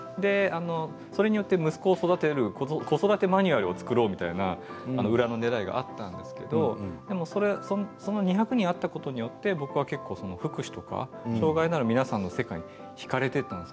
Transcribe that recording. それで息子を育てる子育てマニュアルを作ろうという裏のねらいがあったんですけどその２００人に会ったことによって僕は結構、福祉や障害のある皆さんの世界に引かれていったんです。